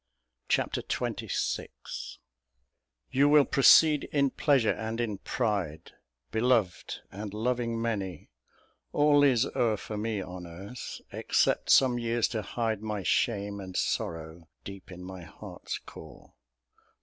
Chapter XXVI You will proceed in pleasure and in pride, Beloved, and loving many; all is o'er For me on earth, except some years to hide My shame and sorrow deep in my heart's core.